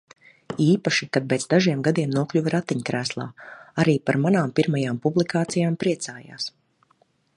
Īpaši, kad pēc dažiem gadiem nokļuva ratiņkrēslā. Arī par manām pirmajām publikācijām priecājās.